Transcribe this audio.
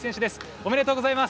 おめでとうございます。